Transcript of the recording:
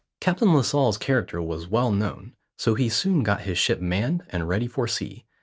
Captain Lascelles' character was well known, so he soon got his ship manned and ready for sea.